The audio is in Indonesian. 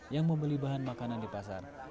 yang membeli bahan makanan di pasar